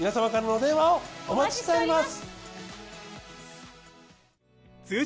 お待ちしております。